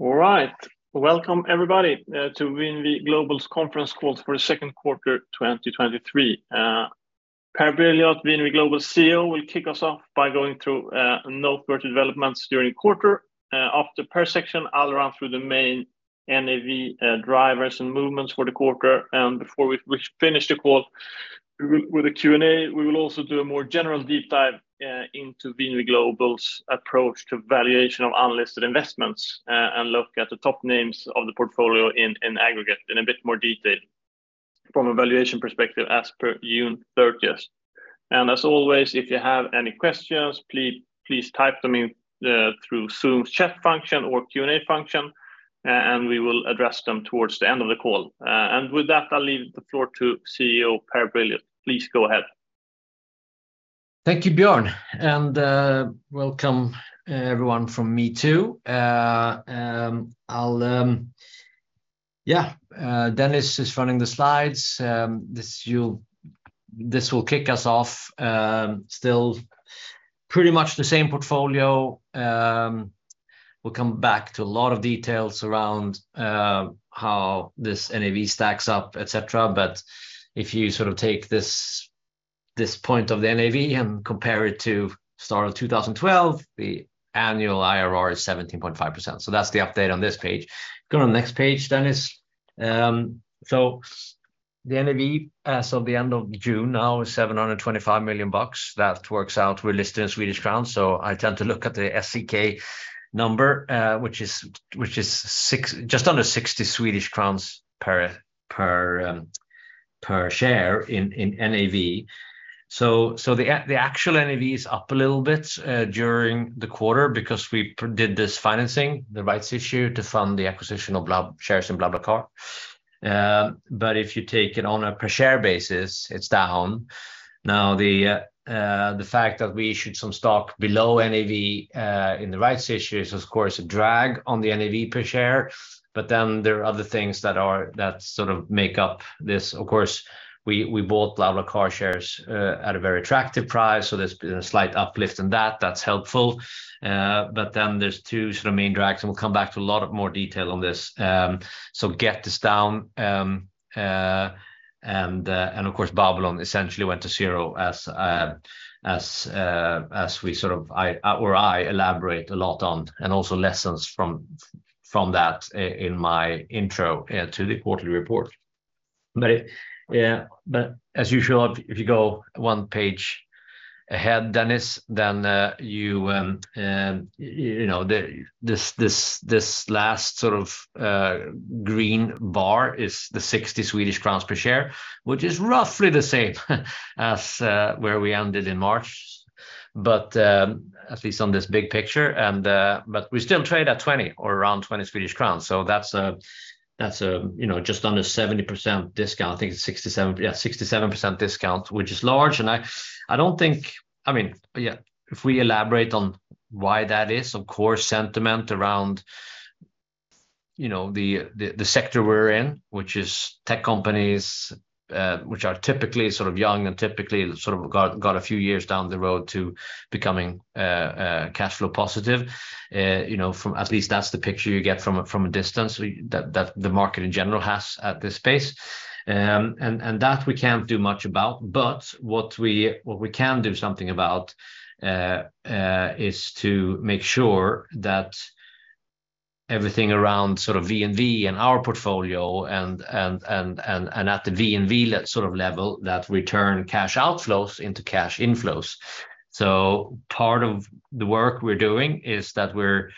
All right. Welcome, everybody, to VNV Global's conference call for the second quarter 2023. Per Brilioth, VNV Global CEO, will kick us off by going through noteworthy developments during the quarter. After Per's section, I'll run through the main NAV drivers and movements for the quarter. Before we finish the call with a Q&A, we will also do a more general deep dive into VNV Global's approach to valuation of unlisted investments, and look at the top names of the portfolio in aggregate in a bit more detail from a valuation perspective as per June 30th. As always, if you have any questions, please type them in through Zoom's chat function or Q&A function, and we will address them towards the end of the call. With that, I'll leave the floor to CEO, Per Brilioth. Please go ahead. Thank you, Björn, welcome everyone from me, too. Dennis is running the slides. This will kick us off, still pretty much the same portfolio. We'll come back to a lot of details around how this NAV stacks up, et cetera. If you sort of take this point of the NAV and compare it to start of 2012, the annual IRR is 17.5%. That's the update on this page. Go to the next page, Dennis Mohammad. The NAV, as of the end of June, now is $725 million. That works out, we're listed in Swedish crowns, so I tend to look at the SEK number, just under 60 Swedish crowns per share in NAV. The actual NAV is up a little bit during the quarter because we did this financing, the rights issue, to fund the acquisition of shares in BlaBlaCar. If you take it on a per share basis, it's down. The fact that we issued some stock below NAV in the rights issue is, of course, a drag on the NAV per share, there are other things that sort of make up this. We bought BlaBlaCar shares at a very attractive price, there's been a slight uplift in that. That's helpful. There's two sort of main drags, we'll come back to a lot of more detail on this. Get this down, and of course, Babylon essentially went to zero as we sort of or I elaborate a lot on, and also lessons from that in my intro to the quarterly report. As usual, if you go one page ahead, Dennis, you know, this last sort of green bar is the 60 Swedish crowns per share, which is roughly the same as where we ended in March, at least on this big picture. We still trade at 20 or around 20 Swedish crowns, so that's a, you know, just under 70% discount. I think it's 67%, yeah, 67% discount, which is large. I mean, yeah, if we elaborate on why that is, of course, sentiment around, you know, the sector we're in, which is tech companies, which are typically sort of young and typically sort of got a few years down the road to becoming cash flow positive. You know, from at least that's the picture you get from a distance, that the market in general has at this space. That we can't do much about, but what we can do something about, is to make sure that everything around sort of VNV and our portfolio and at the VNV sort of level, that we turn cash outflows into cash inflows. Part of the work we're doing is that we're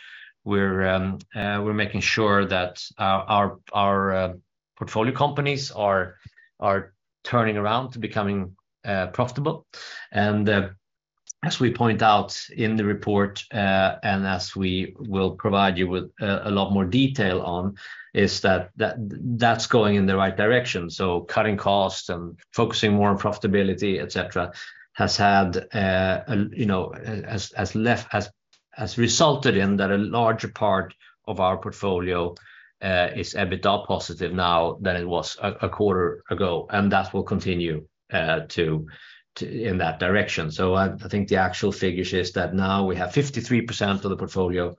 making sure that our portfolio companies are turning around to becoming profitable. As we point out in the report, and as we will provide you with a lot more detail on, is that's going in the right direction. Cutting costs and focusing more on profitability, et cetera, has had, you know, has resulted in that a larger part of our portfolio is EBITDA-positive now than it was a quarter ago, and that will continue to in that direction. I think the actual figure is that now we have 53% of the portfolio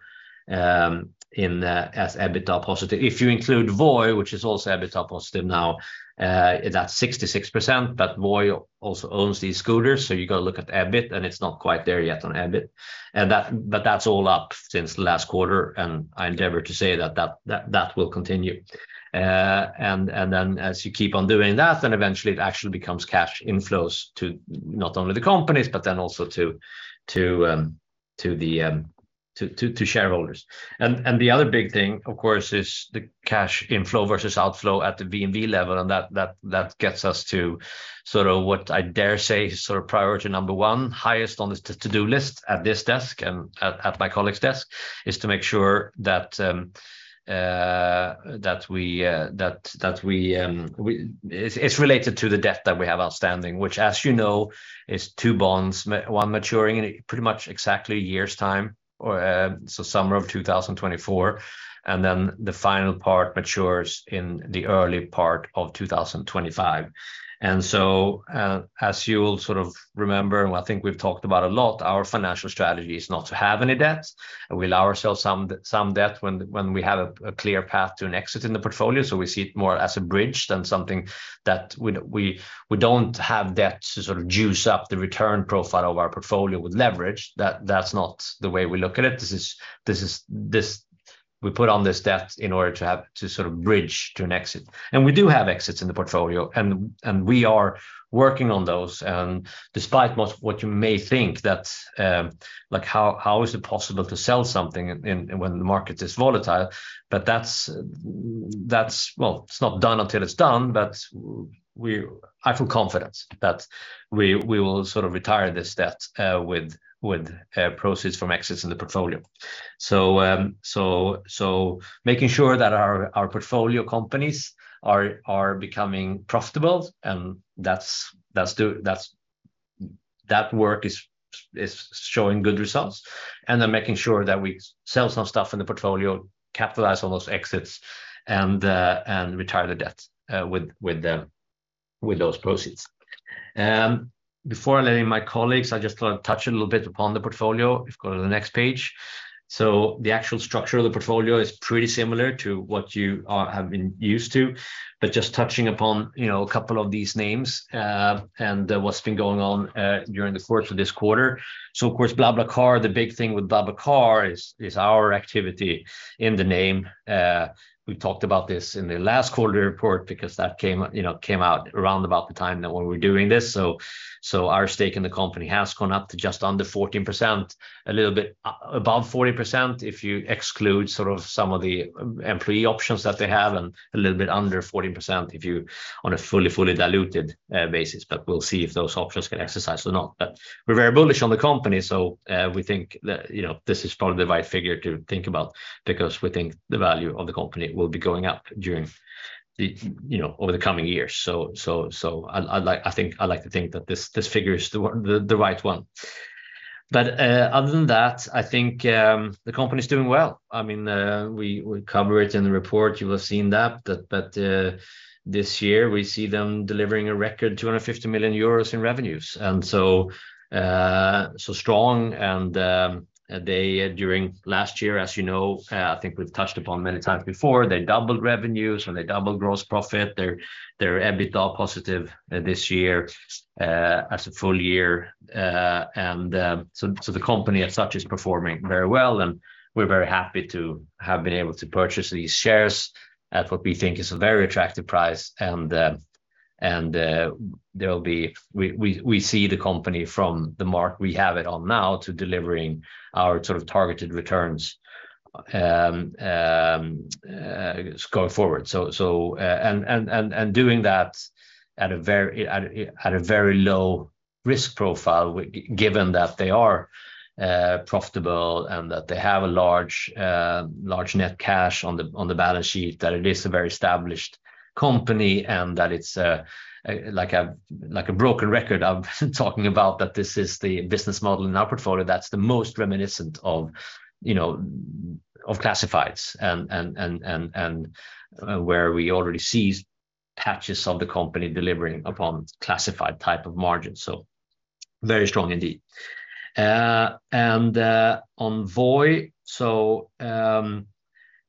as EBITDA-positive. If you include Voi, which is also EBITDA-positive now, it's at 66%, but Voi also owns these scooters, so you got to look at the EBIT, and it's not quite there yet on EBIT. That, but that's all up since last quarter, and I endeavor to say that that will continue. As you keep on doing that, then eventually it actually becomes cash inflows to not only the companies, but then also to the shareholders. The other big thing, of course, is the cash inflow versus outflow at the VNV level, and that gets us to sort of what I dare say, sort of priority number one, highest on the to-do list at this desk and at my colleague's desk, is to make sure. It's related to the debt that we have outstanding, which, as you know, is two bonds, one maturing in pretty much exactly a year's time, or so summer of 2024, and then the final part matures in the early part of 2025. As you will sort of remember, and I think we've talked about a lot, our financial strategy is not to have any debt. We allow ourselves some debt when we have a clear path to an exit in the portfolio, so we see it more as a bridge than something that we don't have debt to sort of juice up the return profile of our portfolio with leverage. That's not the way we look at it. We put on this debt in order to have to sort of bridge to an exit. We do have exits in the portfolio, and we are working on those. Despite most of what you may think, that, like how is it possible to sell something in when the market is volatile? Well, it's not done until it's done, but I feel confident that we will sort of retire this debt with proceeds from exits in the portfolio. Making sure that our portfolio companies are becoming profitable, and that work is showing good results. Making sure that we sell some stuff in the portfolio, capitalize on those exits, and retire the debt with those proceeds. Before I let in my colleagues, I just want to touch a little bit upon the portfolio. If you go to the next page. The actual structure of the portfolio is pretty similar to what you have been used to, but just touching upon, you know, a couple of these names, and what's been going on during the course of this quarter. Of course, BlaBlaCar, the big thing with BlaBlaCar is our activity in the name. We talked about this in the last quarter report because that came, you know, came out around about the time that when we're doing this. Our stake in the company has gone up to just under 14%, a little bit above 40% if you exclude sort of some of the employee options that they have, and a little bit under 40% on a fully diluted basis, but we'll see if those options get exercised or not. We're very bullish on the company, we think that, you know, this is probably the right figure to think about because we think the value of the company will be going up over the coming years. I'd like to think that this figure is the one, the right one. Other than that, I think, the company's doing well. I mean, we cover it in the report. You will have seen that this year, we see them delivering a record 250 million euros in revenues, so strong. They, during last year, as you know, I think we've touched upon many times before, they doubled revenues, and they doubled gross profit. They're EBITDA-positive this year as a full year. The company as such is performing very well, and we're very happy to have been able to purchase these shares at what we think is a very attractive price. We see the company from the mark we have it on now to delivering our sort of targeted returns going forward. And doing that at a very low risk profile, given that they are profitable and that they have a large net cash on the balance sheet, that it is a very established company, and that it's like a broken record I'm talking about, that this is the business model in our portfolio that's the most reminiscent of, you know, classifieds and where we already see patches of the company delivering upon classified type of margins. Very strong indeed. And on Voi, so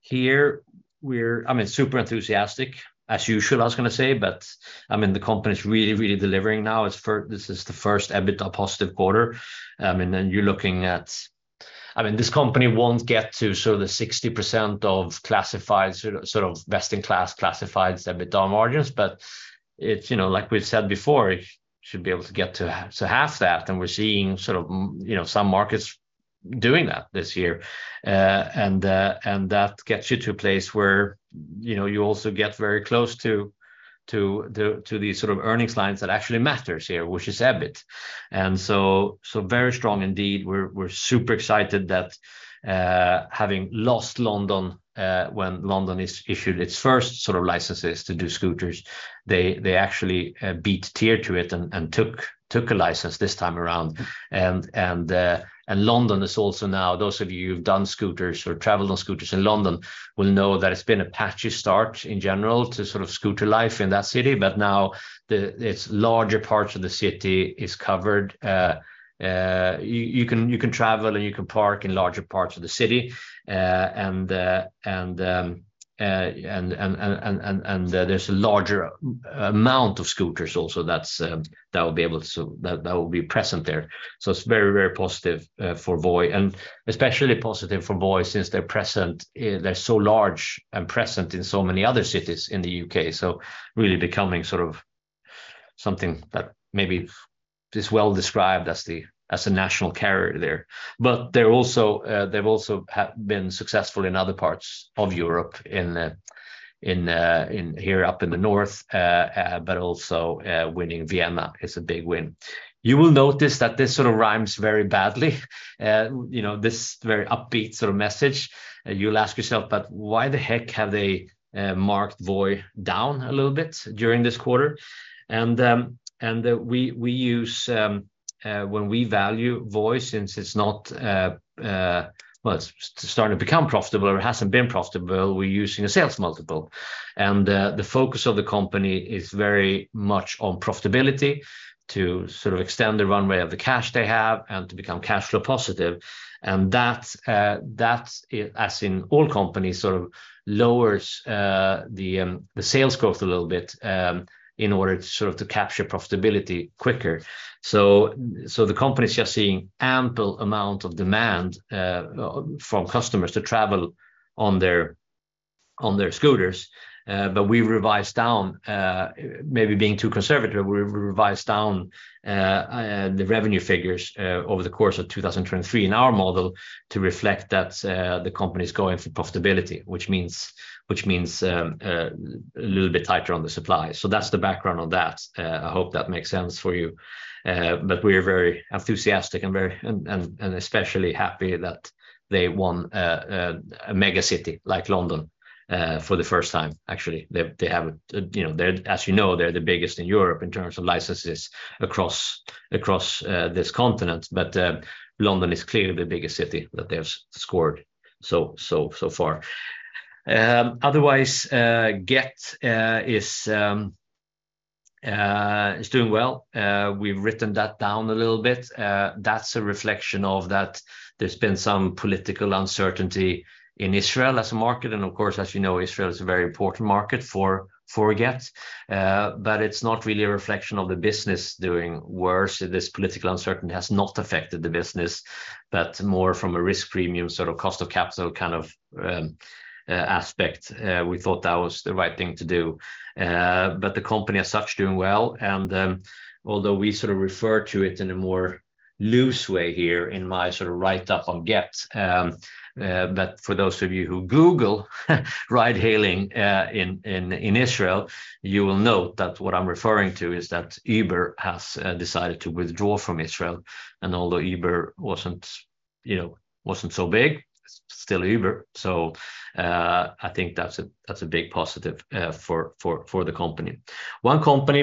here we're, I mean, super enthusiastic, as we should, I was gonna say, but I mean, the company is really, really delivering now. It's this is the first EBITDA-positive quarter. You're looking at this company won't get to sort of the 60% of classifieds, sort of best-in-class classifieds EBITDA margins, but it's, you know, like we've said before, it should be able to get to half that, and we're seeing sort of, you know, some markets doing that this year. That gets you to a place where, you know, you also get very close to these sort of earnings lines that actually matters here, which is EBIT, so very strong indeed. We're super excited that having lost London, when London issued its first sort of licenses to do scooters, they actually beat TIER to it and took a license this time around. London is also now, those of you who've done scooters or traveled on scooters in London will know that it's been a patchy start in general to sort of scooter life in that city, but now its larger parts of the city is covered. You can travel, and you can park in larger parts of the city. There's a larger amount of scooters also that will be present there. It's very, very positive for Voi, and especially positive for Voi since they're present. They're so large and present in so many other cities in the U.K. Really becoming sort of something that maybe is well described as the national carrier there. They're also, they've also been successful in other parts of Europe, here up in the north, but also winning Vienna is a big win. You will notice that this sort of rhymes very badly, you know, this very upbeat sort of message. You'll ask yourself, why the heck have they marked Voi down a little bit during this quarter? When we value Voi, since, well, it's starting to become profitable or it hasn't been profitable, we're using a sales multiple. The focus of the company is very much on profitability to sort of extend the runway of the cash they have and to become cash flow positive. That, as in all companies, sort of lowers the sales growth a little bit in order to sort of to capture profitability quicker. The company is just seeing ample amount of demand from customers to travel on their scooters. We revised down, maybe being too conservative, we revised down the revenue figures over the course of 2023 in our model to reflect that the company is going for profitability, which means a little bit tighter on the supply. That's the background on that. I hope that makes sense for you. We are very enthusiastic and very and especially happy that they won a mega city like London for the first time. Actually, as you know, they're the biggest in Europe in terms of licenses across this continent. London is clearly the biggest city that they have scored so far. Otherwise, Gett is doing well. We've written that down a little bit. That's a reflection of that there's been some political uncertainty in Israel as a market, and of course, as you know, Israel is a very important market for Gett. It's not really a reflection of the business doing worse. This political uncertainty has not affected the business, but more from a risk premium, sort of cost of capital kind of aspect. We thought that was the right thing to do. But the company as such is doing well, and although we sort of refer to it in a more loose way here in my sort of write up on Gett, but for those of you who Google ride hailing in Israel, you will note that what I'm referring to is that Uber has decided to withdraw from Israel. And although Uber, you know, wasn't so big, it's still Uber. So, I think that's a big positive for the company. One company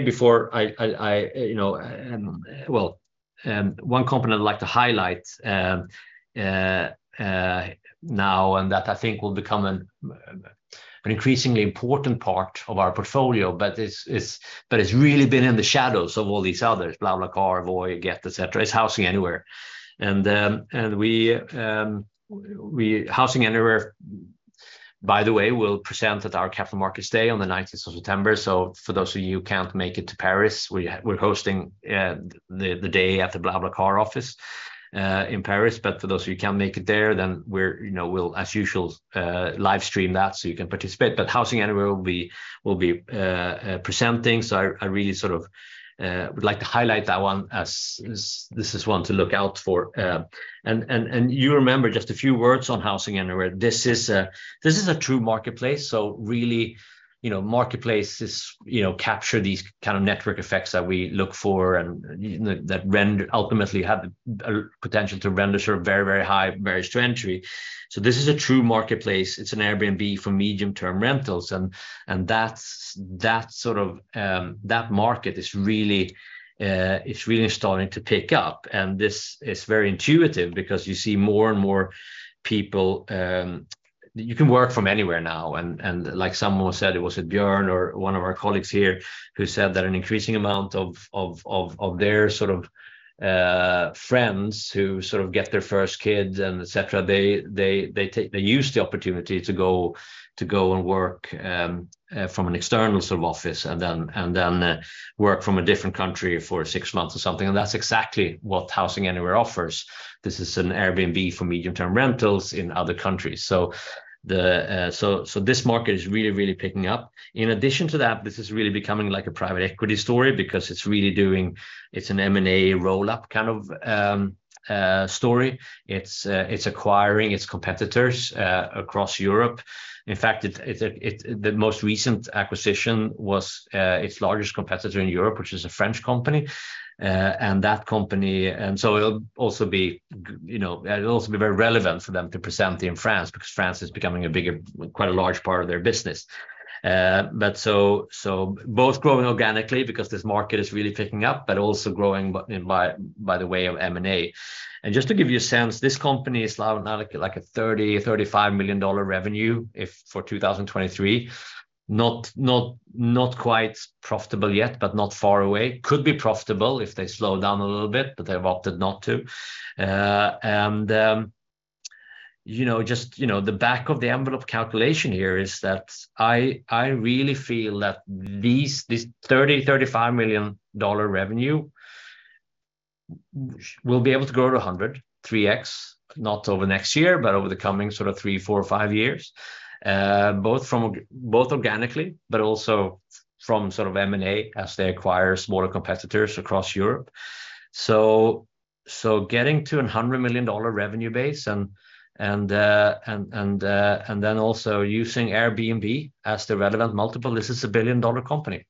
I'd like to highlight now, and that I think will become an increasingly important part of our portfolio, but it's but it's really been in the shadows of all these others, BlaBlaCar, Voi, Gett, et cetera, is HousingAnywhere. HousingAnywhere, by the way, will present at our Capital Markets Day on the 19th of September. For those of you who can't make it to Paris, we're hosting the day at the BlaBlaCar office in Paris. For those of you who can make it there, then we're, you know, we'll as usual, live stream that so you can participate. HousingAnywhere will be presenting. I really sort of would like to highlight that one as this is one to look out for. You remember, just a few words on HousingAnywhere. This is a true marketplace, so really, you know, marketplaces, you know, capture these kind of network effects that we look for and that ultimately have a potential to render sort of very high barriers to entry. This is a true marketplace. It's an Airbnb for medium-term rentals, and that market is really starting to pick up. This is very intuitive because you see more and more people. You can work from anywhere now. Like someone said, it was Björn or one of our colleagues here who said that an increasing amount of their sort of friends who sort of get their first kid and et cetera, they use the opportunity to go and work from an external sort of office, and then work from a different country for six months or something. That's exactly what HousingAnywhere offers. This is an Airbnb for medium-term rentals in other countries. This market is really picking up. In addition to that, this is really becoming like a private equity story because it's an M&A roll-up kind of story. It's acquiring its competitors across Europe. In fact, it the most recent acquisition was its largest competitor in Europe, which is a French company. It'll also be, you know, very relevant for them to present in France, because France is becoming a bigger, quite a large part of their business. But so both growing organically because this market is really picking up, but also growing by the way of M&A. Just to give you a sense, this company is now like a $30 million-$35 million revenue for 2023. Not quite profitable yet, but not far away. Could be profitable if they slow down a little bit, but they've opted not to. You know, just, you know, the back of the envelope calculation here is that I really feel that this $30 million-$35 million revenue will be able to grow to $100 million, 3x, not over next year, but over the coming sort of three, four or five years. Both organically, but also from sort of M&A as they acquire smaller competitors across Europe. So getting to a $100 million revenue base and then also using Airbnb as the relevant multiple, this is a billion-dollar company.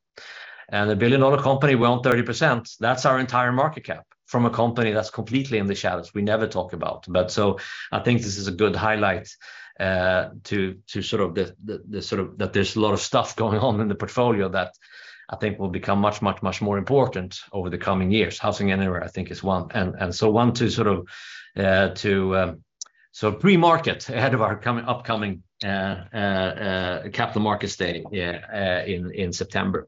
A billion-dollar company, well, 30%, that's our entire market cap from a company that's completely in the shadows we never talk about. I think this is a good highlight to sort of that there's a lot of stuff going on in the portfolio that I think will become much more important over the coming years. HousingAnywhere, I think, is one to sort of pre-market ahead of our upcoming Capital Markets Day in September.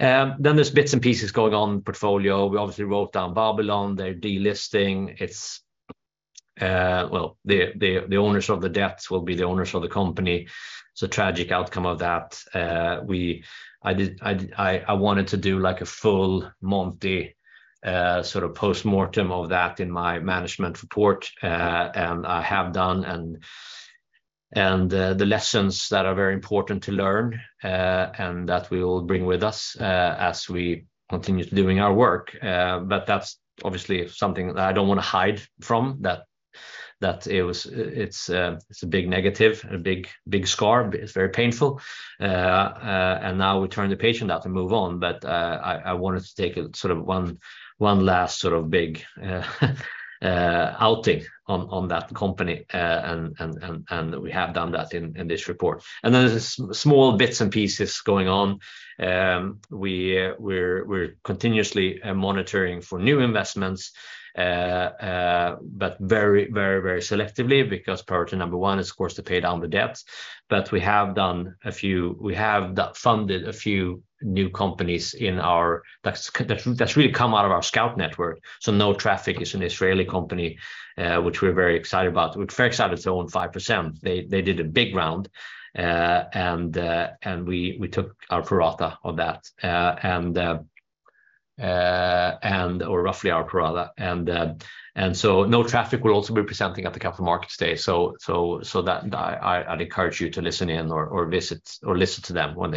There's bits and pieces going on in the portfolio. We obviously wrote down Babylon. They're delisting. Well, the owners of the debts will be the owners of the company. It's a tragic outcome of that. I wanted to do like a Full Monty sort of postmortem of that in my management report. I have done. The lessons that are very important to learn and that we will bring with us as we continue doing our work. That's obviously something that I don't wanna hide from, that it's a big negative and a big scar, but it's very painful. Now we turn the page on that and move on. I wanted to take a sort of one last sort of big outing on that company, and we have done that in this report. Then there's small bits and pieces going on. We're continuously monitoring for new investments, but very selectively, because priority number one is, of course, to pay down the debts, but we have funded a few new companies that's really come out of our scout network. NoTraffic is an Israeli company, which we're very excited about, which Fairx out its own 5%. They did a big round, and we took our pro rata on that. or roughly our pro rata. NoTraffic will also be presenting at the Capital Markets Day. That I'd encourage you to listen in or visit or listen to them when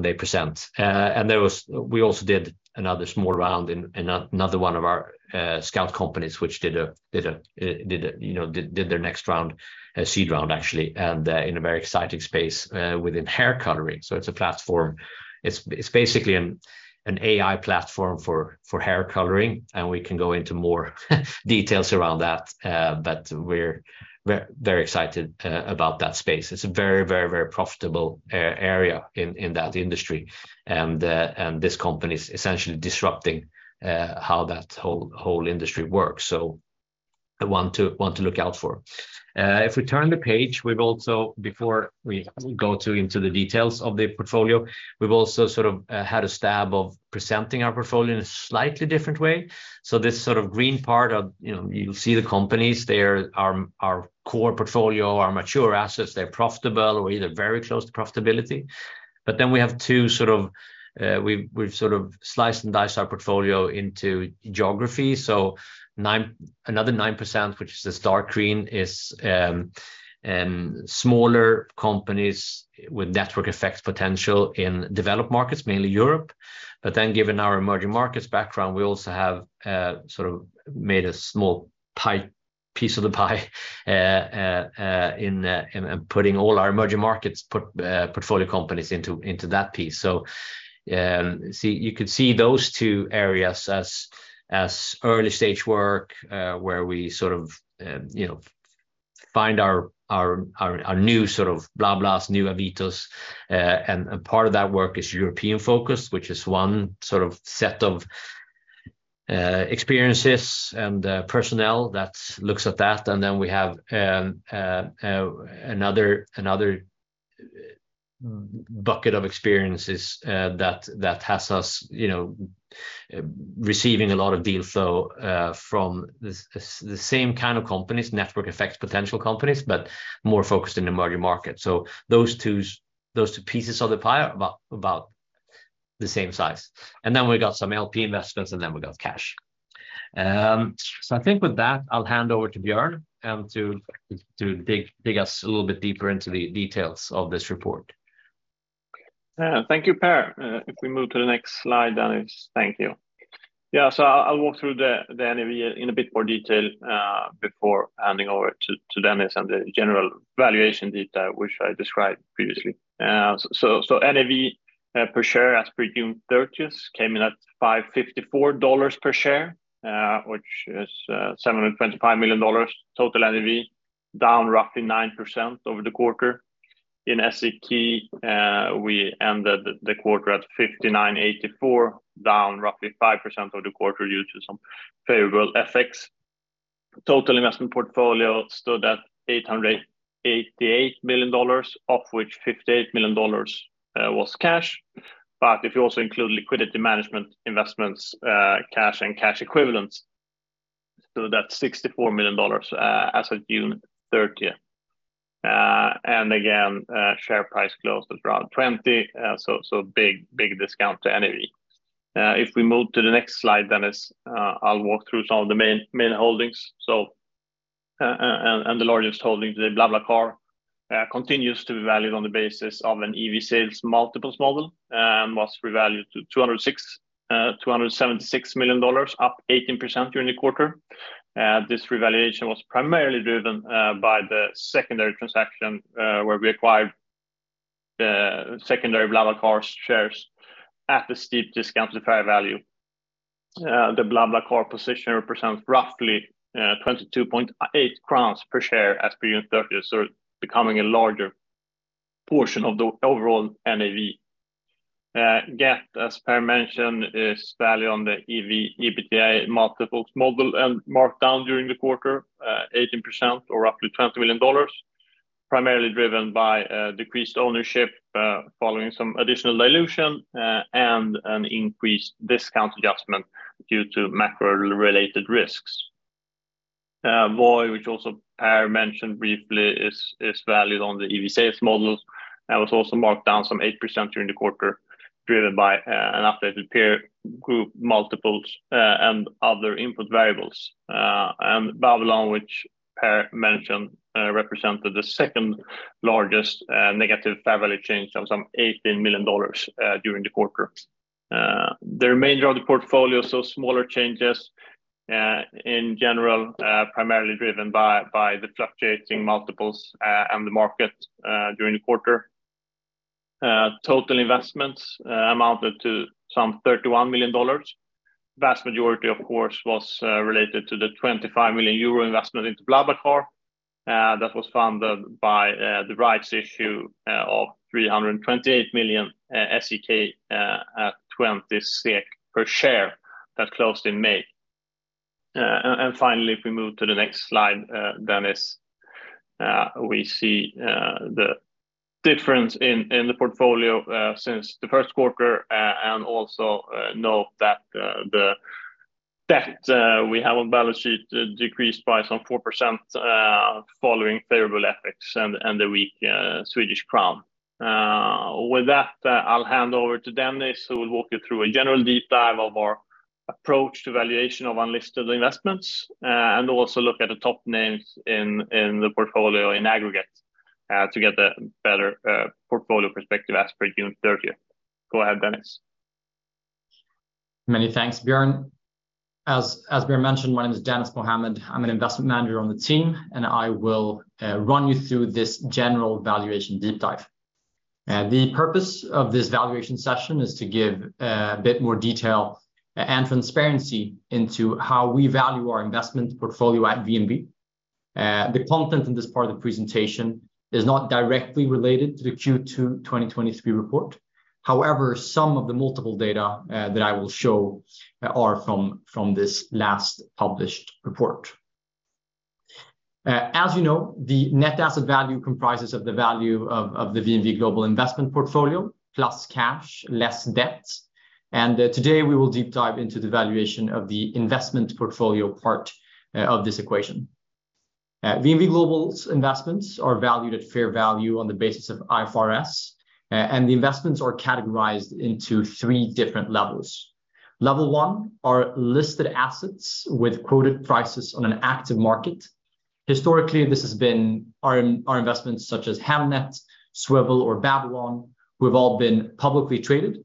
they present. We also did another small round in another one of our scout companies, which did their next round, seed round, actually, in a very exciting space within hair coloring. It's a platform. It's basically an AI platform for hair coloring, and we can go into more details around that. We're very excited about that space. It's a very profitable area in that industry. This company is essentially disrupting how that whole industry works. I want to look out for. If we turn the page, we've also, before we go into the details of the portfolio, we've also sort of had a stab of presenting our portfolio in a slightly different way. This sort of green part of, you know, you'll see the companies, they're our core portfolio, our mature assets. They're profitable or either very close to profitability. We have two. We've sort of sliced and diced our portfolio into geography. Another 9%, which is this dark green, is smaller companies with network effects potential in developed markets, mainly Europe. Given our emerging markets background, we also have sort of made a small piece of the pie in putting all our emerging markets portfolio companies into that piece. See, you could see those two areas as early stage work, where we sort of, you know, find our new sort of BlaBlas and new Avitos. Part of that work is European focus, which is one sort of set of experiences and personnel that looks at that. And then we have another bucket of experiences that has us, you know, receiving a lot of deal flow from the same kind of companies, network effects, potential companies, but more focused in emerging markets. Those two pieces of the pie are about the same size. And then we got some LP investments, and then we got cash. I think with that, I'll hand over to Björn to dig us a little bit deeper into the details of this report. Thank you, Per. If we move to the next slide, Dennis. Thank you. I'll walk through the NAV in a bit more detail before handing over to Dennis and the general valuation detail, which I described previously. NAV per share as per June 30th, came in at $5.54 per share, which is $725 million. Total NAV down roughly 9% over the quarter. In SEK, we ended the quarter at 59.84, down roughly 5% over the quarter due to some favorable FX. Total investment portfolio stood at $888 million, of which $58 million was cash. If you also include liquidity management investments, cash and cash equivalents, that's $64 million as of June 30th. Again, share price closed at around 20, big discount to NAV. If we move to the next slide, Dennis, I'll walk through some of the main holdings. The largest holding, BlaBlaCar, continues to be valued on the basis of an EV/sales multiples model, and was revalued to $276 million, up 18% during the quarter. This revaluation was primarily driven by the secondary transaction, where we acquired secondary BlaBlaCar shares at a steep discount to fair value. The BlaBlaCar position represents roughly 22.8 crowns per share as per June 30th, becoming a larger portion of the overall NAV. Gett, as Per mentioned, is valued on the EV/EBITDA multiples model and marked down during the quarter, 18% or roughly $20 million, primarily driven by decreased ownership, following some additional dilution, and an increased discount adjustment due to macro-related risks. Voi, which also Per mentioned briefly, is valued on the EV/Sales model and was also marked down some 8% during the quarter, driven by an updated peer group multiples and other input variables. Babylon, which Per mentioned, represented the second largest negative fair value change of some $18 million during the quarter. The remainder of the portfolio, so smaller changes in general, primarily driven by the fluctuating multiples and the market during the quarter. Total investments amounted to some $31 million. Vast majority, of course, was related to the 25 million euro investment into BlaBlaCar. That was funded by the rights issue of 328 million SEK at 20 SEK per share that closed in May. Finally, if we move to the next slide, Dennis, we see the difference in the portfolio since the first quarter, and also note that the debt we have on balance sheet decreased by some 4% following favorable FX and the weak Swedish crown. With that, I'll hand over to Dennis, who will walk you through a general deep dive of our approach to valuation of unlisted investments, and also look at the top names in the portfolio in aggregate, to get a better portfolio perspective as per June 30th. Go ahead, Dennis. Many thanks, Björn. As Björn mentioned, my name is Dennis Mohammad. I'm an Investment Manager on the team. I will run you through this general valuation deep dive. The purpose of this valuation session is to give a bit more detail and transparency into how we value our investment portfolio at VNV. The content in this part of the presentation is not directly related to the Q2 2023 report. However, some of the multiple data that I will show are from this last published report. As you know, the net asset value comprises of the value of the VNV Global investment portfolio, plus cash, less debt. Today we will deep dive into the valuation of the investment portfolio part of this equation. VNV Global's investments are valued at fair value on the basis of IFRS, and the investments are categorized into three different levels. Level one are listed assets with quoted prices on an active market. Historically, this has been our investments, such as Hemnet, Swvl, or Babylon, who have all been publicly traded,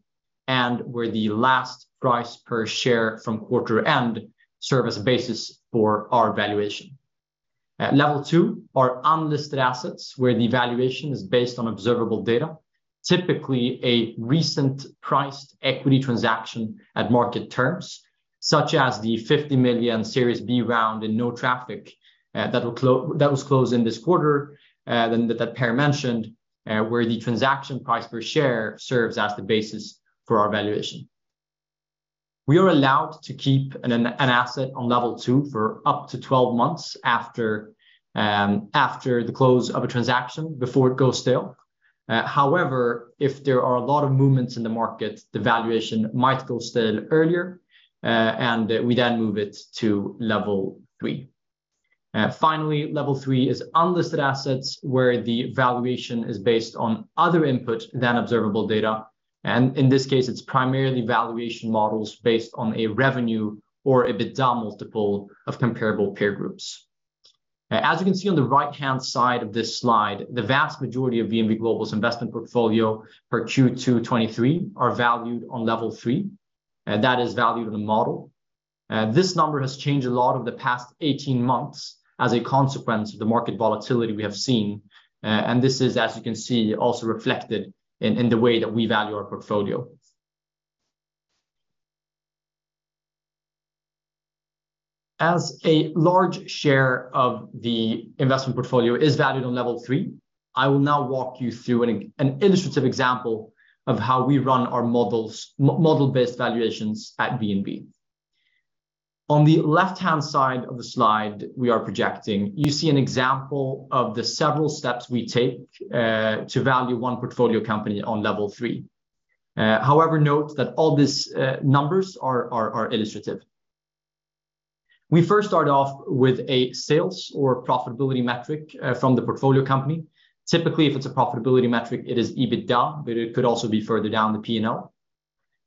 and where the last price per share from quarter end serve as a basis for our valuation. Level two are unlisted assets, where the valuation is based on observable data, typically a recent priced equity transaction at market terms, such as the $50 million Series B round in NoTraffic that was closed in this quarter that Per mentioned, where the transaction price per share serves as the basis for our valuation. We are allowed to keep an asset on level two for up to 12 months after the close of a transaction before it goes stale. However, if there are a lot of movements in the market, the valuation might go stale earlier, and we then move it to level three. Finally, level three is unlisted assets, where the valuation is based on other input than observable data, and in this case, it's primarily valuation models based on a revenue or EBITDA multiple of comparable peer groups. As you can see on the right-hand side of this slide, the vast majority of VNV Global's investment portfolio for Q2 2023 are valued on level three, and that is value to the model. This number has changed a lot over the past 18 months as a consequence of the market volatility we have seen, and this is, as you can see, also reflected in the way that we value our portfolio. As a large share of the investment portfolio is valued on level three, I will now walk you through an illustrative example of how we run our model-based valuations at VNV. On the left-hand side of the slide we are projecting, you see an example of the several steps we take to value one portfolio company on level three. However, note that all these numbers are illustrative. We first start off with a sales or profitability metric from the portfolio company. Typically, if it's a profitability metric, it is EBITDA, but it could also be further down the P&L.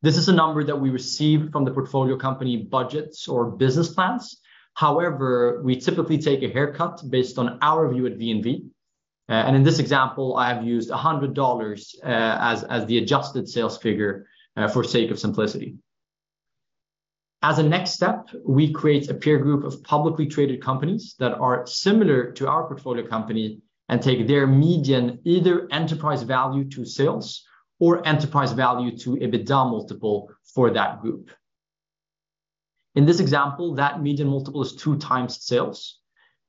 This is a number that we receive from the portfolio company budgets or business plans. We typically take a haircut based on our view at VNV, and in this example, I have used $100 as the adjusted sales figure for sake of simplicity. We create a peer group of publicly traded companies that are similar to our portfolio company and take their median, either enterprise value to sales or enterprise value to EBITDA multiple for that group. In this example, that median multiple is 2x sales,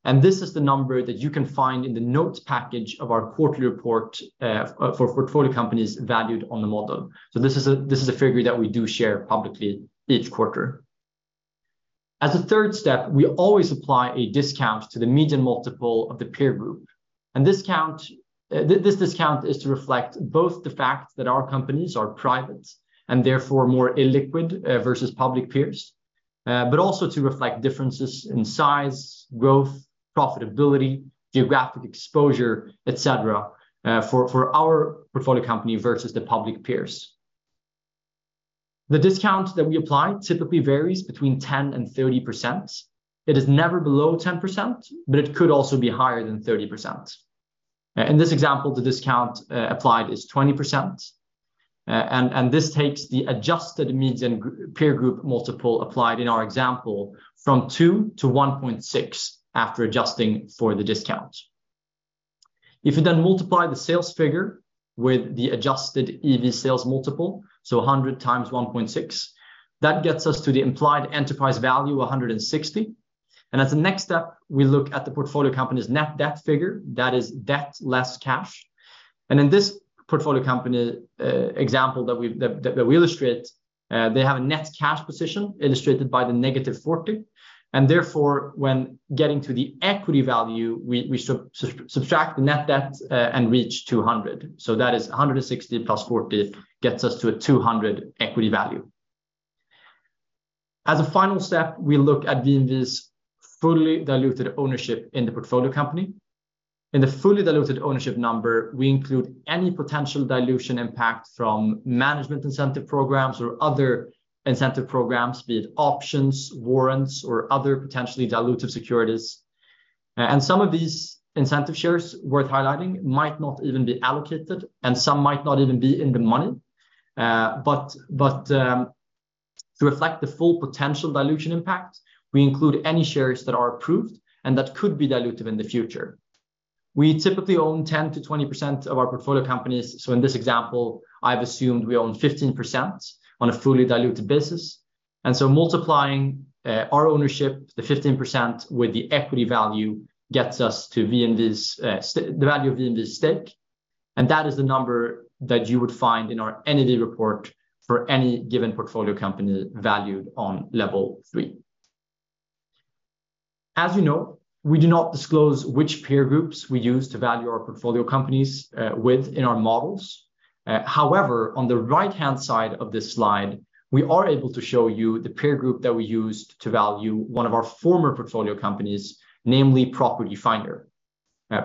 and this is the number that you can find in the notes package of our quarterly report for portfolio companies valued on the model. This is a figure that we do share publicly each quarter. As a third step, we always apply a discount to the median multiple of the peer group. Discount, this discount is to reflect both the fact that our companies are private and therefore more illiquid versus public peers, but also to reflect differences in size, growth, profitability, geographic exposure, et cetera, for our portfolio company versus the public peers. The discount that we apply typically varies between 10% and 30%. It is never below 10%, but it could also be higher than 30%. In this example, the discount applied is 20%. This takes the adjusted median peer group multiple applied in our example from 2 to 1.6 after adjusting for the discount. If you then multiply the sales figure with the adjusted EV/Sales multiple, so $100 times 1.6, that gets us to the implied enterprise value, $160. As a next step, we look at the portfolio company's net debt figure. That is debt less cash. In this portfolio company example that we illustrate, they have a net cash position illustrated by the -$40, and therefore, when getting to the equity value, we subtract the net debt and reach $200. That is $160 + $40 gets us to a $200 equity value. As a final step, we look at VNV's fully diluted ownership in the portfolio company. In the fully diluted ownership number, we include any potential dilution impact from management incentive programs or other incentive programs, be it options, warrants, or other potentially dilutive securities. Some of these incentive shares worth highlighting might not even be allocated, and some might not even be in the money. To reflect the full potential dilution impact, we include any shares that are approved and that could be dilutive in the future. We typically own 10%-20% of our portfolio companies, in this example, I've assumed we own 15% on a fully diluted basis. Multiplying our ownership, the 15%, with the equity value, gets us to VNV's the value of VNV's stake, and that is the number that you would find in our NAV report for any given portfolio company valued on level three. As you know, we do not disclose which peer groups we use to value our portfolio companies, with in our models. However, on the right-hand side of this slide, we are able to show you the peer group that we used to value one of our former portfolio companies, namely Property Finder.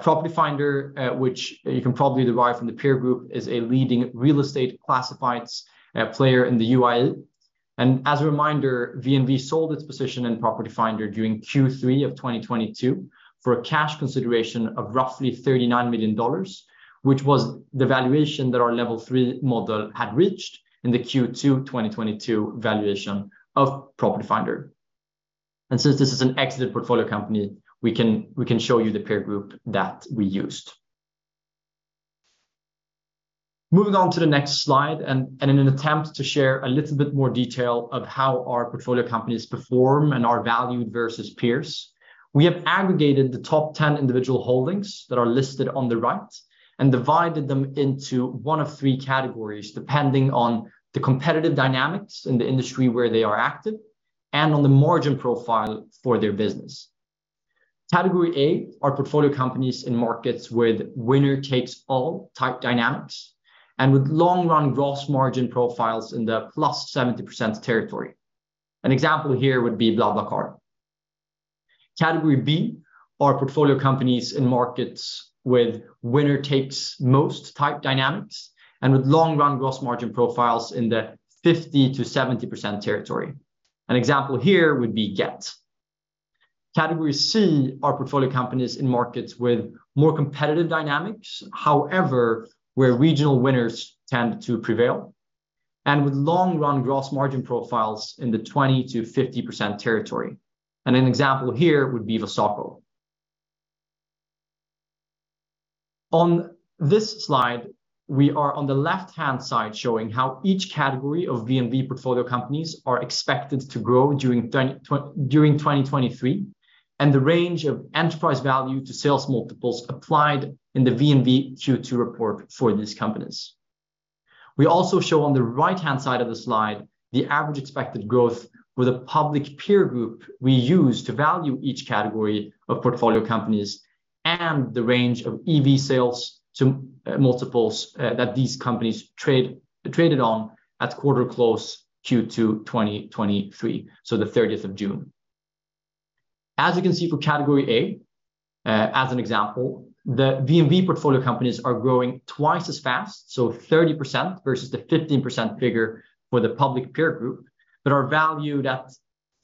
Property Finder, which you can probably derive from the peer group, is a leading real estate classifieds player in the UAE. As a reminder, VNV sold its position in Property Finder during Q3 of 2022 for a cash consideration of roughly $39 million, which was the valuation that our level three model had reached in the Q2 2022 valuation of Property Finder. Since this is an exited portfolio company, we can show you the peer group that we used. Moving on to the next slide, in an attempt to share a little bit more detail of how our portfolio companies perform and are valued versus peers, we have aggregated the top 10 individual holdings that are listed on the right and divided them into one of three categories, depending on the competitive dynamics in the industry where they are active and on the margin profile for their business. Category A are portfolio companies in markets with winner-takes-all type dynamics and with long-run gross margin profiles in the +70% territory. An example here would be BlaBlaCar. Category B are portfolio companies in markets with winner-takes-most type dynamics and with long-run gross margin profiles in the 50%-70% territory. An example here would be Gett. Category C are portfolio companies in markets with more competitive dynamics, however, where regional winners tend to prevail, and with long-run gross margin profiles in the 20%-50% territory, and an example here would be Wasoko. On this slide, we are on the left-hand side, showing how each category of VNV portfolio companies are expected to grow during 2023, and the range of EV/Sales multiples applied in the VNV Q2 report for these companies. We also show on the right-hand side of the slide, the average expected growth with a public peer group we use to value each category of portfolio companies and the range of EV/Sales multiples that these companies traded on at quarter close Q2 2023 for the 30th of June. As you can see for Category A, as an example, the VNV portfolio companies are growing twice as fast, so 30% versus the 15% figure for the public peer group, but are valued at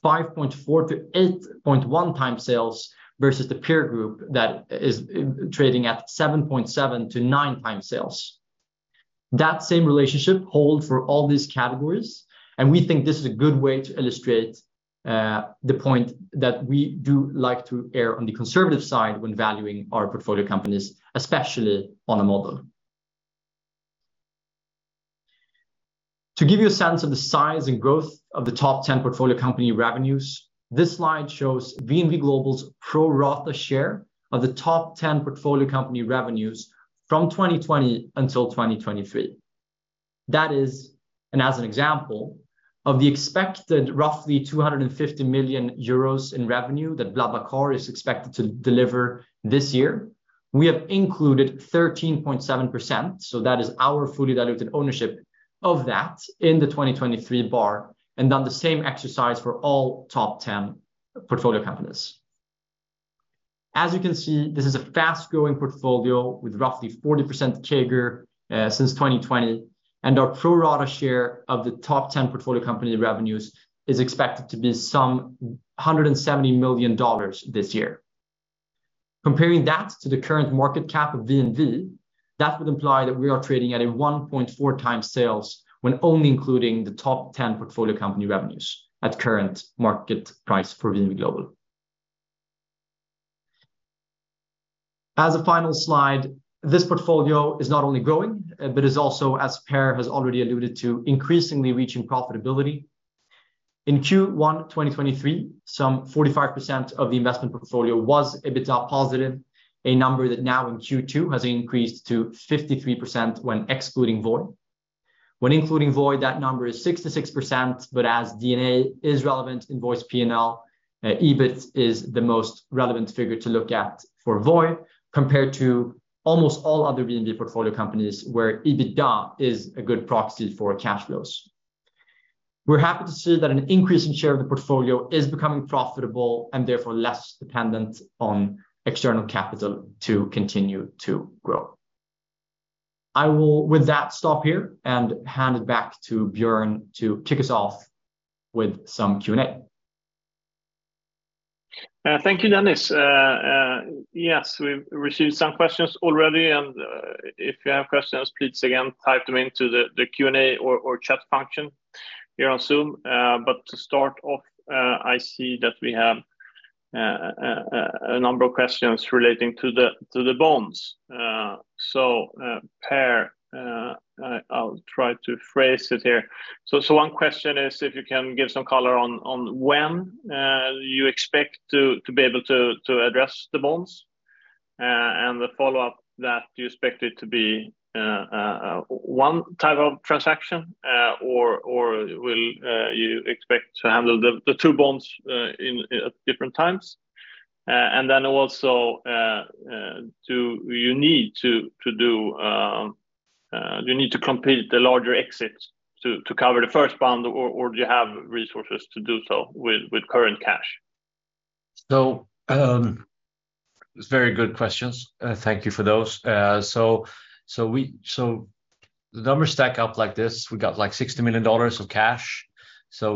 5.4x-8.1x sales, versus the peer group that is trading at 7.7x-9x sales. That same relationship hold for all these categories. We think this is a good way to illustrate the point that we do like to err on the conservative side when valuing our portfolio companies, especially on a model. To give you a sense of the size and growth of the top 10 portfolio company revenues, this slide shows VNV Global's pro rata share of the top 10 portfolio company revenues from 2020 until 2023. That is, as an example, of the expected roughly 250 million euros in revenue that BlaBlaCar is expected to deliver this year. We have included 13.7%, so that is our fully diluted ownership of that in the 2023 bar, and done the same exercise for all top 10 portfolio companies. As you can see, this is a fast-growing portfolio with roughly 40% CAGR since 2020, and our pro rata share of the top 10 portfolio company revenues is expected to be some $170 million this year. Comparing that to the current market cap of VNV, that would imply that we are trading at a 1.4x sales, when only including the top 10 portfolio company revenues at current market price for VNV Global. At the final slide, this portfolio is not only growing, but is also, as Per has already alluded to, increasingly reaching profitability. In Q1 2023, some 45% of the investment portfolio was EBITDA-positive, a number that now in Q2 has increased to 53% when excluding Voi. When including Voi, that number is 66%. As D&A is relevant in Voi P&L, EBIT is the most relevant figure to look at for Voi, compared to almost all other VNV portfolio companies, where EBITDA is a good proxy for cash flows. We're happy to see that an increase in share of the portfolio is becoming profitable and therefore less dependent on external capital to continue to grow. I will, with that, stop here and hand it back to Björn to kick us off with some Q&A. Thank you, Dennis. Yes, we've received some questions already. If you have questions, please, again, type them into the Q&A or chat function here on Zoom. To start off, I see that we have a number of questions relating to the bonds. Per, I'll try to phrase it here. One question is if you can give some color on when you expect to be able to address the bonds? The follow-up, that do you expect it to be one type of transaction, or will you expect to handle the two bonds at different times? Also, do you need to complete the larger exit to cover the first bond, or do you have resources to do so with current cash? Very good questions. Thank you for those. The numbers stack up like this. We got, like, $60 million of cash. We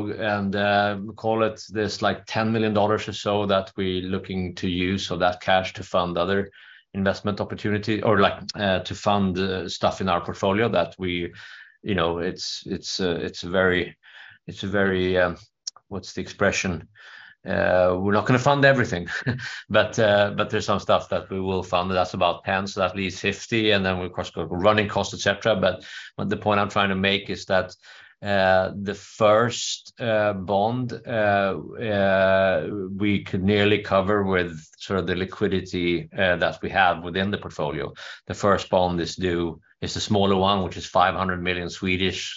call it there's, like, $10 million or so that we're looking to use that cash to fund other investment opportunity or, like, to fund stuff in our portfolio. You know, what's the expression? We're not gonna fund everything, but there's some stuff that we will fund. That's about 10. That leaves 50. Of course, got running costs, et cetera. The point I'm trying to make is that the first bond we could nearly cover with sort of the liquidity that we have within the portfolio. The first bond is due, it's a smaller one, which is 500 million,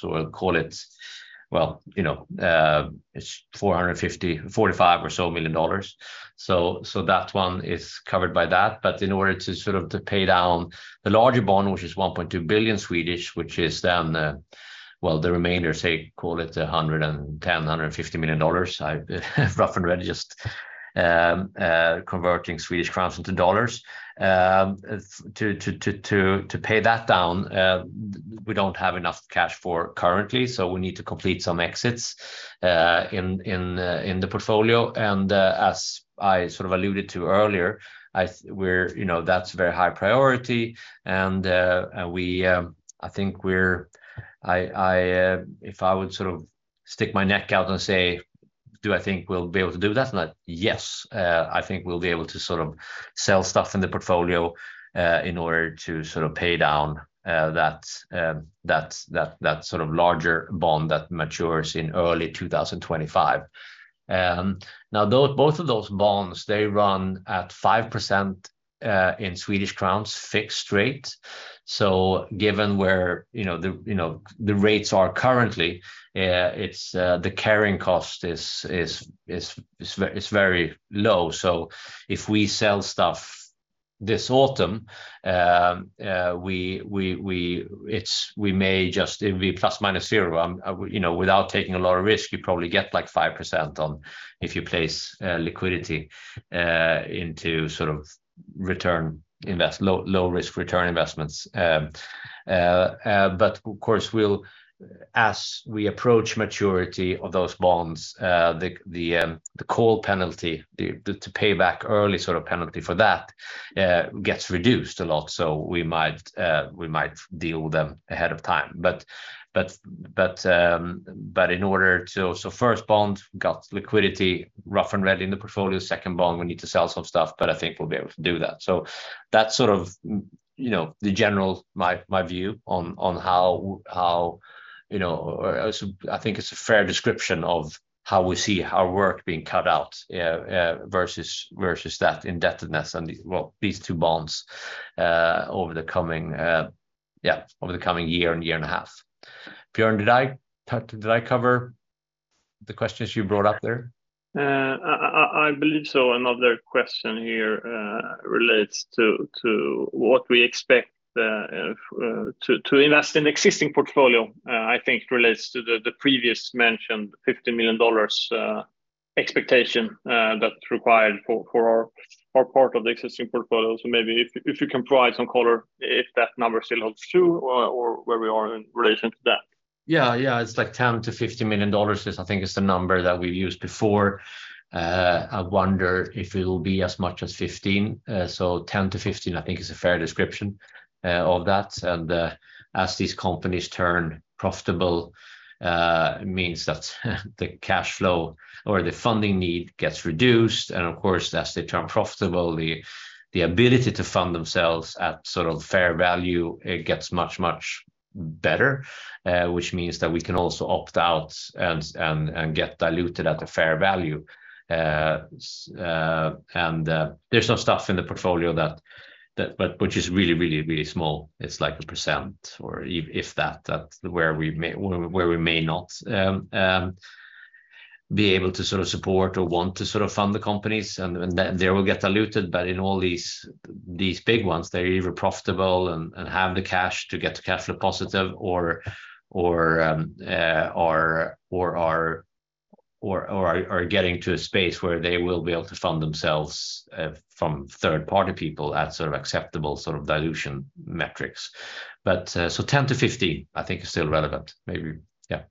we'll call it, well, you know, $45 million or so. That one is covered by that. In order to sort of to pay down the larger bond, which is 1.2 billion, which is then, well, the remainder, say, call it $110 million-$150 million. I've rough and ready, just converting Swedish crowns into dollars. To pay that down, we don't have enough cash for currently, so we need to complete some exits in the portfolio. As I sort of alluded to earlier, you know, that's a very high priority, and, I think, if I would sort of stick my neck out and say, do I think we'll be able to do that? Yes, I think we'll be able to sort of sell stuff in the portfolio in order to sort of pay down that sort of larger bond that matures in early 2025. Both of those bonds, they run at 5% in Swedish crowns fixed rate. Given where, you know, the rates are currently, it's the carrying cost is very low. If we sell stuff this autumn, we may just, it will be plus/minus zero. You know, without taking a lot of risk, you probably get, like, 5% on if you place liquidity into sort of return, low-risk return investments. Of course, we'll, as we approach maturity of those bonds, the call penalty, the to pay back early sort of penalty for that, gets reduced a lot, so we might deal them ahead of time. First bond got liquidity, rough and ready in the portfolio. Second bond, we need to sell some stuff, I think we'll be able to do that. That's sort of, you know, the general, my view on how, you know, I think it's a fair description of how we see our work being cut out versus that indebtedness and, well, these two bonds over the coming year and a half. Björn, did I cover the questions you brought up there? I believe so. Another question here relates to what we expect to invest in existing portfolio. I think it relates to the previous mentioned $50 million expectation that required for our part of the existing portfolio. Maybe if you can provide some color, if that number still holds true or where we are in relation to that. Yeah, yeah. It's like $10 million-$50 million, I think, is the number that we've used before. I wonder if it will be as much as $15 million. $10 million-$15 million, I think, is a fair description of that. As these companies turn profitable, means that the cash flow or the funding need gets reduced. Of course, as they turn profitable, the ability to fund themselves at sort of fair value, it gets much better. Which means that we can also opt out and get diluted at a fair value. There's some stuff in the portfolio, but which is really small. It's like a percent or if that, where we may not be able to sort of support or want to sort of fund the companies, and then they will get diluted. In all these big ones, they're either profitable and have the cash to get to cash flow positive or are getting to a space where they will be able to fund themselves from third-party people at sort of acceptable dilution metrics. So 10-15, I think is still relevant. Maybe, yeah.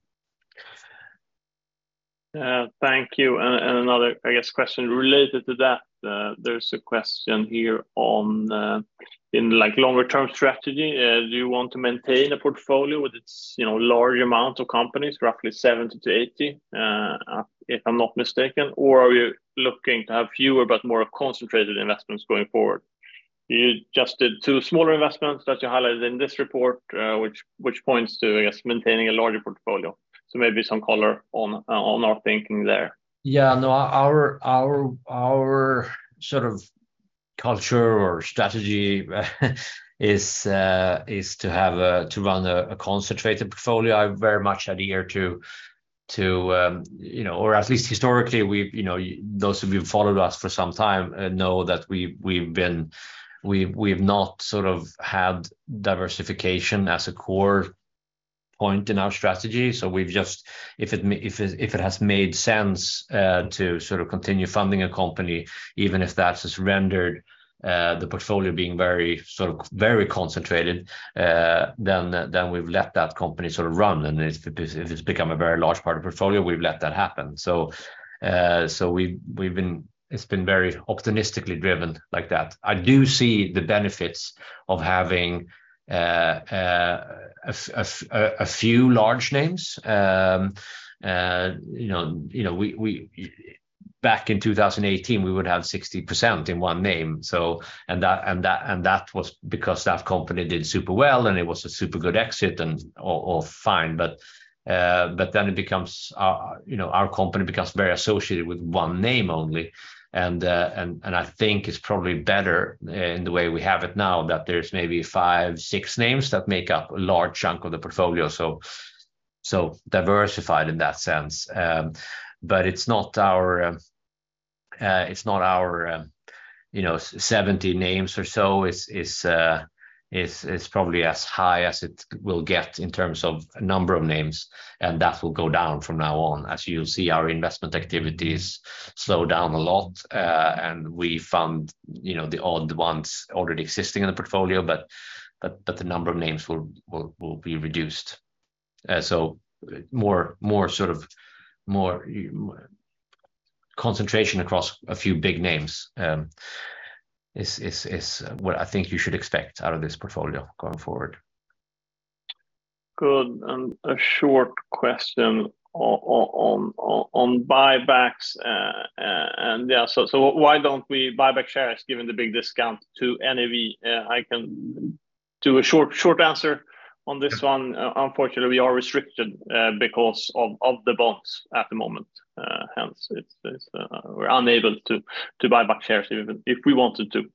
Thank you. Another, I guess, question related to that. There's a question here in, like, longer-term strategy. Do you want to maintain a portfolio with its, you know, large amount of companies, roughly 70 to 80, if I'm not mistaken? Are you looking to have fewer but more concentrated investments going forward? You just did two smaller investments that you highlighted in this report, which points to, I guess, maintaining a larger portfolio. Maybe some color on our thinking there. Yeah, no, our sort of culture or strategy is to run a concentrated portfolio. I very much adhere to or at least historically, you know, those who've followed us for some time know that we've not sort of had diversification as a core point in our strategy. Just if it has made sense to sort of continue funding a company, even if that's rendered the portfolio being, sort of, very concentrated, then we've let that company sort of run. If it's become a very large part of portfolio, we've let that happen. It's been very opportunistically driven like that. I do see the benefits of having a few large names. You know, back in 2018, we would have 60% in one name. And that was because that company did super well, and it was a super good exit and all fine. It becomes, you know, our company becomes very associated with one name only. I think it's probably better in the way we have it now, that there's maybe five, six names that make up a large chunk of the portfolio, so diversified in that sense. But, you know, 70 names or so, is probably as high as it will get in terms of number of names. That will go down from now on, as you'll see our investment activities slow down a lot. We fund, you know, the odd ones already existing in the portfolio, but the number of names will be reduced. Sort of, more concentration across a few big names is what I think you should expect out of this portfolio going forward. Good. A short question on buybacks, yeah. Why don't we buy back shares given the big discount to NAV? I can do a short answer on this one. Unfortunately, we are restricted because of the bonds at the moment. Hence, we're unable to buy back shares even if we wanted to.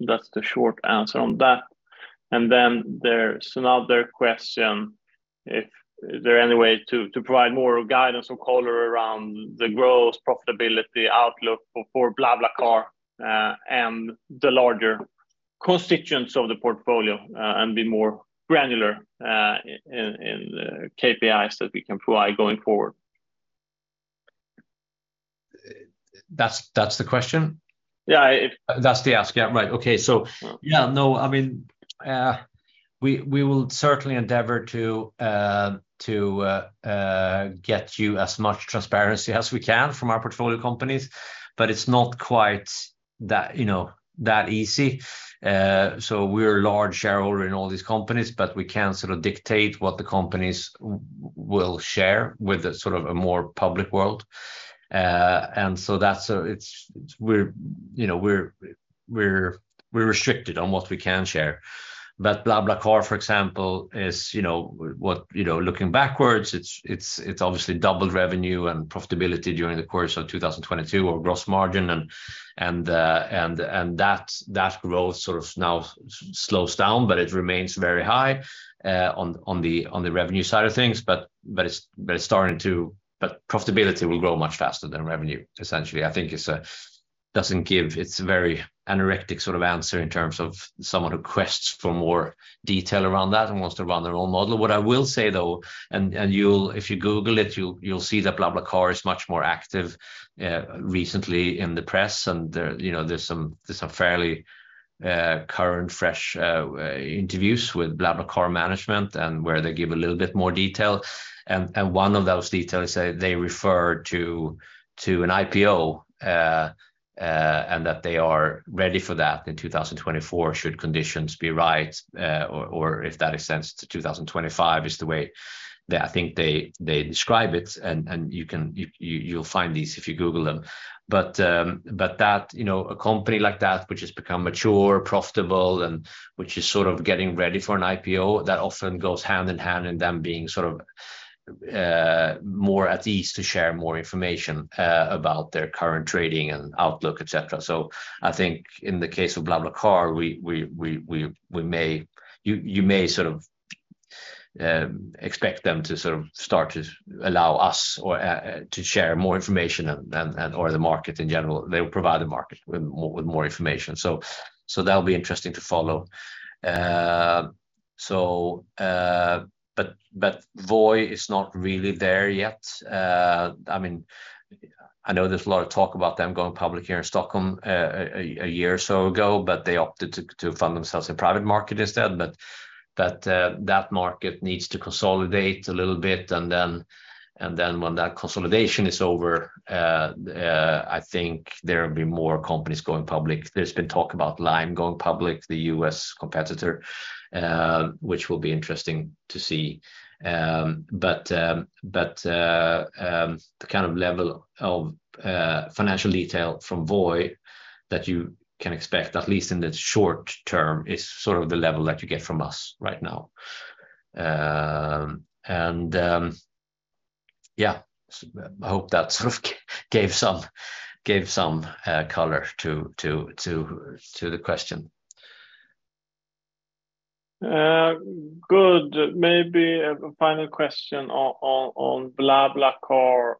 That's the short answer on that. There's another question, if there are any way to provide more guidance or color around the growth, profitability, outlook for BlaBlaCar and the larger constituents of the portfolio and be more granular in KPIs that we can provide going forward. That's the question? Yeah. That's the ask. Yeah, right. I mean, we will certainly endeavor to get you as much transparency as we can from our portfolio companies, but it's not quite, you know, that easy. We're a large shareholder in all these companies, but we can't sort of dictate what the companies will share with the sort of a more public world. So, we're restricted on what we can share. BlaBlaCar, for example, is, you know, looking backwards, it's obviously doubled revenue and profitability during the course of 2022 or gross margin and that growth sort of now slows down, but it remains very high on the revenue side of things. But profitability will grow much faster than revenue, essentially. I think doesn't give, it's a very anorectic sort of answer in terms of someone who quests for more detail around that and wants to run their own model. What I will say, though, if you Google it, you'll see that BlaBlaCar is much more active recently in the press, and there, you know, there's some fairly current, fresh interviews with BlaBlaCar management and where they give a little bit more detail. One of those details is that they refer to an IPO, and that they are ready for that in 2024, should conditions be right, or if that extends to 2025, is the way that I think they describe it. You'll find these if you Google them. You know, a company like that, which has become mature, profitable, and which is sort of getting ready for an IPO, that often goes hand in hand in them being sort of, more at ease to share more information, about their current trading and outlook, et cetera. I think in the case of BlaBlaCar, we may expect them to start to allow us or to share more information than or the market in general. They will provide the market with more information. That'll be interesting to follow. Voi is not really there yet. I know there's a lot of talk about them going public here in Stockholm a year or so ago, but they opted to fund themselves in private market instead. That market needs to consolidate a little bit, and then when that consolidation is over, I think there will be more companies going public. There's been talk about Lime going public, the U.S. competitor, which will be interesting to see. The kind of level of financial detail from Voi that you can expect, at least in the short term, is sort of the level that you get from us right now. Yeah, I hope that sort of gave some color to the question. Good. Maybe a final question on BlaBlaCar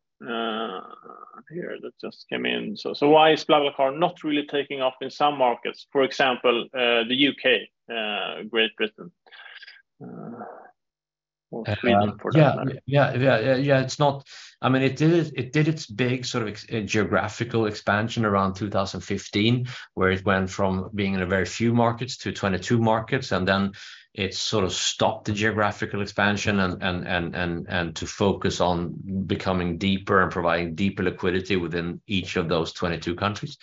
here that just came in. Why is BlaBlaCar not really taking off in some markets, for example, the U.K., Great Britain, or Sweden, for that matter? Yeah. I mean, it did its big sort of geographical expansion around 2015, where it went from being in a very few markets to 22 markets. Then it sort of stopped the geographical expansion and to focus on becoming deeper and providing deeper liquidity within each of those 22 countries.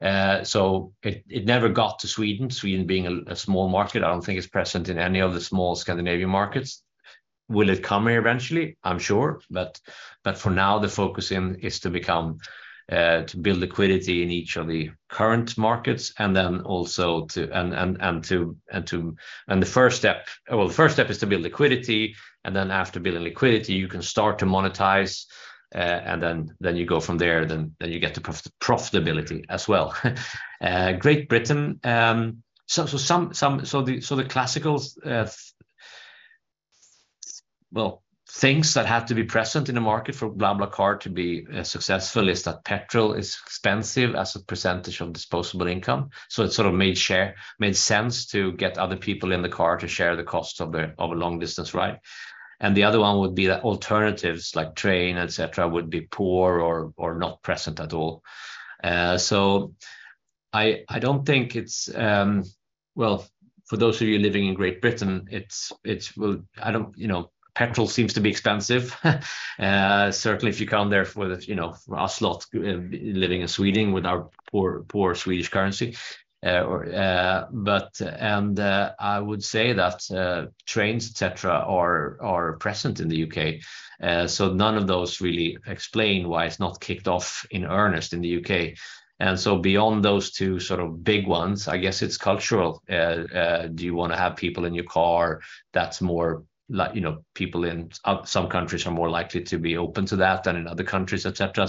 It never got to Sweden. Sweden being a small market, I don't think it's present in any of the small Scandinavian markets. Will it come here eventually? I'm sure. For now, the focus is to become to build liquidity in each of the current markets. The first step, well, the first step is to build liquidity, then after building liquidity, you can start to monetize, then you go from there, then you get to profitability as well. Great Britain, so the classical, well, things that have to be present in the market for BlaBlaCar to be successful is that petrol is expensive as a percentage of disposable income. It sort of made sense to get other people in the car to share the cost of a long-distance ride. The other one would be that alternatives, like train, et cetera, would be poor or not present at all. Well, for those of you living in Great Britain, I don't, you know, petrol seems to be expensive. Certainly, if you come there for the, you know, us lot, living in Sweden with our poor Swedish currency. I would say that trains, et cetera, are present in the U.K. None of those really explain why it's not kicked off in earnest in the U.K. Beyond those two sort of big ones, I guess it's cultural. Do you want to have people in your car that's more like, you know, people in some countries are more likely to be open to that than in other countries, et cetera.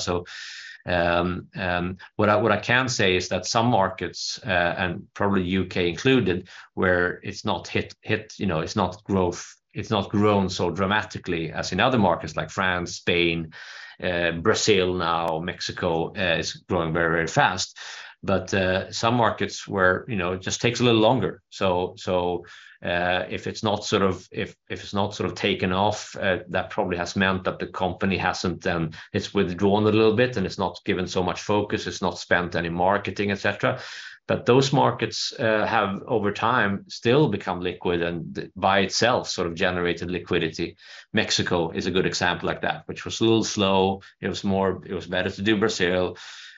What I can say is that some markets, and probably U.K. included, where it's not hit, you know, it's not growth, it's not grown so dramatically as in other markets like France, Spain, Brazil, now Mexico, is growing very, very fast. Some markets where, you know, it just takes a little longer. If it's not sort of taken off, that probably has meant that the company hasn't, it's withdrawn a little bit, and it's not given so much focus, it's not spent any marketing, et cetera. Those markets have, over time, still become liquid, and by itself, sort of generated liquidity. Mexico is a good example like that, which was a little slow. It was better to do Brazil.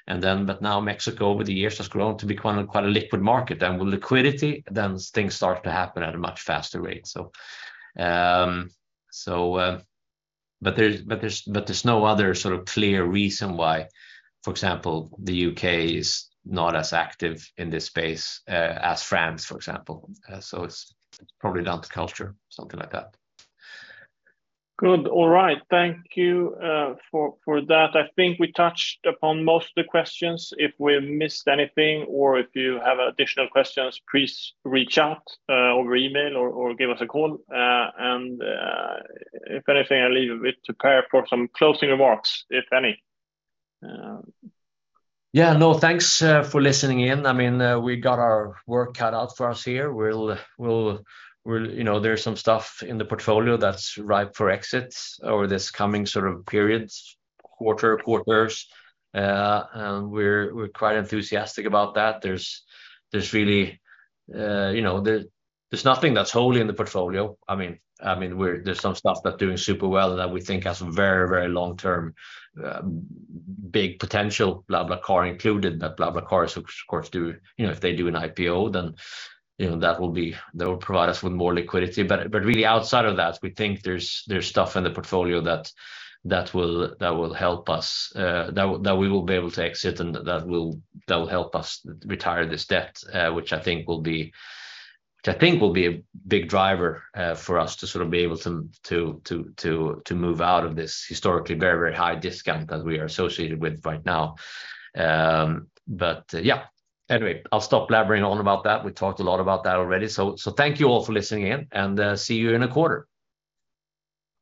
Mexico, over the years, has grown to become quite a liquid market. With liquidity, then things start to happen at a much faster rate. But there's no other sort of clear reason why, for example, the U.K. is not as active in this space, as France, for example. It's probably down to culture, something like that. Good. All right. Thank you for that. I think we touched upon most of the questions. If we missed anything or if you have additional questions, please reach out over email or give us a call. If anything, I leave it to Per for some closing remarks, if any. Thanks for listening in. I mean, we got our work cut out for us here. You know, there's some stuff in the portfolio that's ripe for exits over this coming sort of periods, quarter, quarters. We're quite enthusiastic about that. Really, you know, there's nothing that's wholly in the portfolio. I mean, there's some stuff that's doing super well that we think has very, very long-term, big potential, BlaBlaCar included. BlaBlaCar, of course, you know, if they do an IPO, then, you know, that will provide us with more liquidity. Really outside of that, we think there's stuff in the portfolio that will help us, that we will be able to exit, and that will help us retire this debt, which I think will be a big driver for us to sort of be able to move out of this historically very high discount that we are associated with right now. Yeah. Anyway, I'll stop blabbering on about that. We talked a lot about that already. Thank you all for listening in, and see you in a quarter.